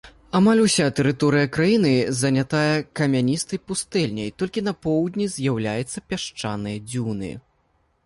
Амаль уся тэрыторыя краіны занятая камяністай пустэльняй, толькі на поўдні з'яўляюцца пясчаныя дзюны.